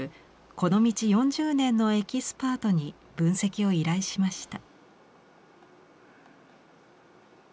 この道４０年のエキスパートに分析を依頼しました。